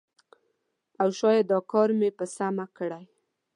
او شاید دا کار مې په سمه کړی